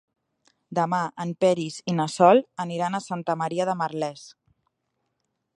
Demà en Peris i na Sol aniran a Santa Maria de Merlès.